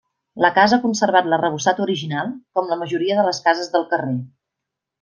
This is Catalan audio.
La casa ha conservat l'arrebossat original, com la majoria de les cases del carrer.